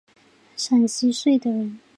陕西绥德人。